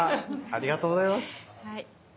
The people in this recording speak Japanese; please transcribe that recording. ありがとうございます。